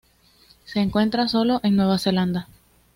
Se encuentra sólo en Nueva Zelanda.